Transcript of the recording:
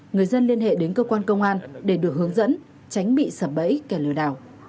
người dân liên hệ đến cơ quan công an để được hướng dẫn tránh bị sập bẫy kẻ lừa đảo